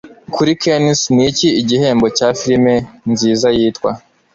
Kuri Cannes Niki Igihembo cya Filime Nziza Yitwa